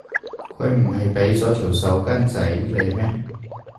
佢唔係畀咗條手巾仔你咩？